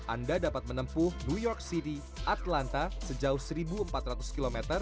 anda dapat menempuh new york city atlanta sejauh seribu empat ratus km